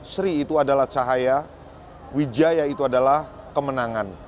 sri itu adalah cahaya wijaya itu adalah kemenangan